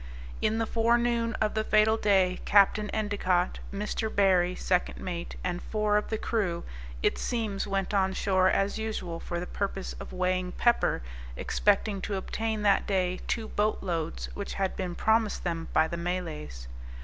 In the forenoon of the fatal day, Capt. Endicott, Mr. Barry, second mate, and four of the crew, it seems went on shore as usual, for the purpose of weighing pepper, expecting to obtain that day two boat loads, which had been promised them by the Malays.